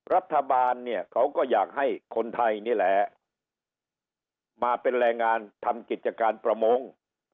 รัฐบาลเนี่ยเขาก็อยากให้คนไทยนี่แหละมาเป็นแรงงานทำกิจการประมง